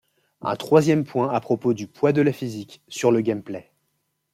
Un troisième point à propos du poids de la physique sur le gameplay.